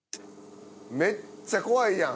めっちゃ怖いやん。